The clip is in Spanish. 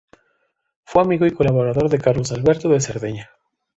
Fue amigo y colaborador de Carlos Alberto de Cerdeña.